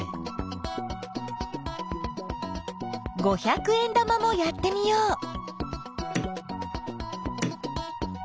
五百円玉もやってみよう。